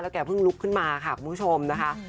แกเพิ่งลุกขึ้นมาค่ะคุณผู้ชมนะคะ